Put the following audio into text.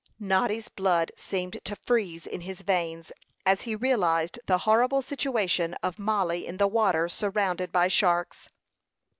Noddy's blood seemed to freeze in his veins as he realized the horrible situation of Mollie in the water, surrounded by sharks.